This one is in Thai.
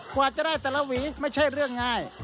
กว่าจะได้แต่ละหวีไม่ใช่เรื่องง่าย